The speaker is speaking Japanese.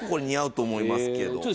似合うと思いますけど。